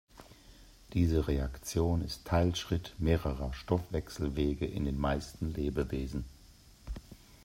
Diese Reaktion ist Teilschritt mehrerer Stoffwechselwege in den meisten Lebewesen.